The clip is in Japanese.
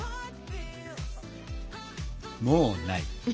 もうない！